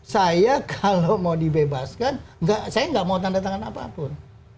saya kalau mau dibebaskan saya nggak mau tanda tangan apapun